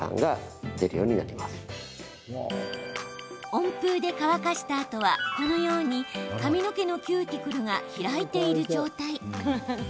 温風で乾かしたあとはこのように髪の毛のキューティクルが開いている状態。